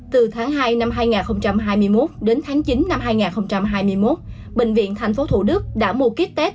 từ tháng hai năm hai nghìn hai mươi một đến tháng chín năm hai nghìn hai mươi một bệnh viện tp thủ đức đã mua kích tết